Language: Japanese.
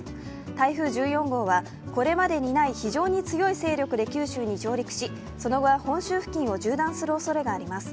台風１４号はこれまでにない非常に強い勢力で九州に上陸し、その後は本州を縦断するおそれがあります。